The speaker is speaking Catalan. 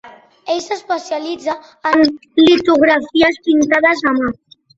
Ell s'especialitza en litografies pintades a mà.